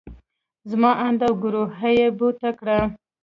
زما اند او ګروهه يې بوته کړه.